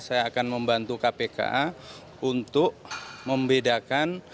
saya akan membantu kpk untuk membedakan